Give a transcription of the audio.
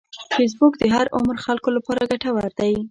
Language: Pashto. فېسبوک د هر عمر خلکو لپاره ګټور دی